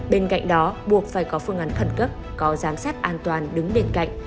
bên cạnh đó buộc phải có phương án khẩn cấp có giám sát an toàn đứng bên cạnh